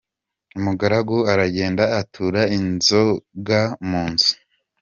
Umugaragu aragenda atura inzoga mu nzu.